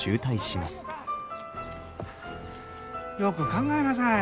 よく考えなさい。